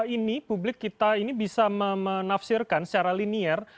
ini publik kita ini bisa menafsirkan secara linier